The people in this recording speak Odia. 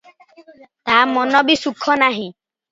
ତା ମନରେ ବି ସୁଖ ନାହିଁ ।